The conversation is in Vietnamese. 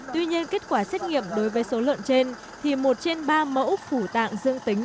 tuy nhiên kết quả xét nghiệm đối với số lợn trên thì một trên ba mẫu phủ tạng dương tính